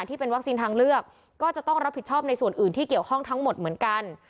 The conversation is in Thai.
ที่เป็นวัคซีนทางเลือกก็จะต้องรับผิดชอบในส่วนอื่นที่เกี่ยวข้องทั้งหมดเหมือนกัน